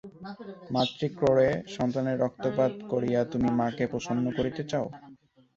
মাতৃক্রোড়ে সন্তানের রক্তপাত করিয়া তুমি মাকে প্রসন্ন করিতে চাও!